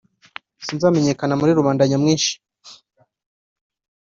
Sinzamenyekana muri rubanda nyamwinshi,